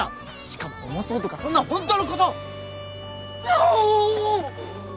しかも重そうとかそんなホントのことおおっ！